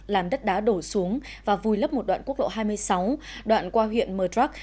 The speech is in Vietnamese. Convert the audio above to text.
làm đất đá đổ xuống và vùi lấp một đoạn quốc lộ hai mươi sáu đoạn qua huyện mờ trắc